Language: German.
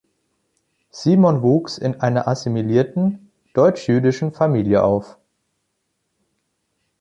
Simon wuchs in einer assimilierten deutsch-jüdischen Familie auf.